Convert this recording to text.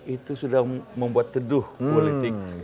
itu sudah membuat teduh politik